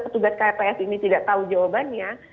petugas kps ini tidak tahu jawabannya